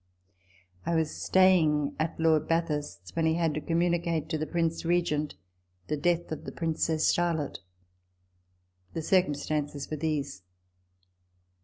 " I was staying at Lord Bathurst's, when he had to communicate to the Prince Regent the death of the Princess Charlotte. The circumstances were these.